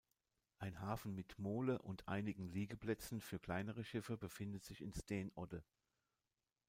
Ein Hafen mit Mole und einigen Liegeplätzen für kleinere Schiffe befindet sich in Steenodde.